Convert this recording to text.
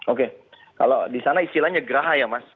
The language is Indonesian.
oke kalau di sana istilahnya geraha ya mas